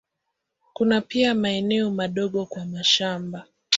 Kuna pia maeneo madogo kwa mashamba.